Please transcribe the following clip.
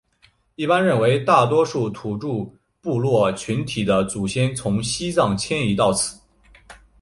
一般认为大多数土着部落群体的祖先从西藏迁移到此。